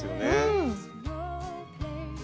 うん。